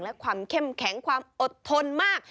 และความเข้มแข็งความอดทนมาก